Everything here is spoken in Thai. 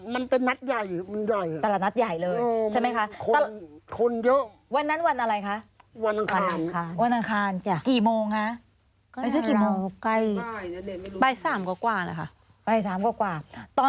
มันกัดแถวนั้นแหละเออเออเออเออเออเออเออ